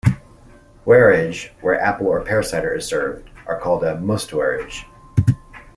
"Heurige" where apple or pear cider is served are called a "Mostheurige".